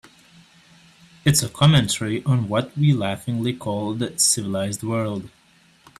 It's a commentary on what we laughingly call the civilized world.